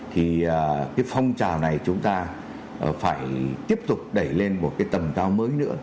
thì cái phong trào này chúng ta phải tiếp tục đẩy lên một cái tầm cao mới nữa